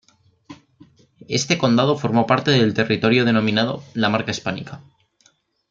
Este condado formó parte del territorio denominado la Marca Hispánica.